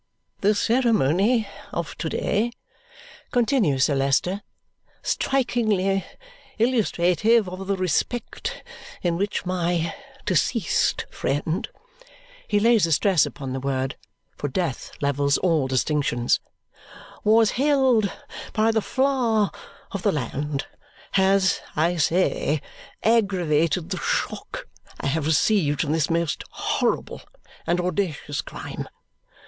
"The ceremony of to day," continues Sir Leicester, "strikingly illustrative of the respect in which my deceased friend" he lays a stress upon the word, for death levels all distinctions "was held by the flower of the land, has, I say, aggravated the shock I have received from this most horrible and audacious crime.